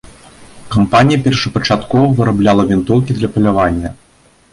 Кампанія першапачаткова вырабляла вінтоўкі для палявання.